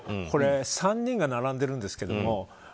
これは３人が並んでるんですけど